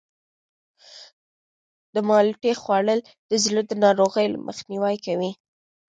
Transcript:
د مالټې خوړل د زړه د ناروغیو مخنیوی کوي.